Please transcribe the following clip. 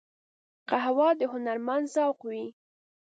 قهوه د هنرمند ذوق وي